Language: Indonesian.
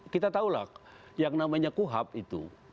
kita tahulah yang namanya kuhap itu